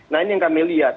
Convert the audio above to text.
nah ini yang kami lihat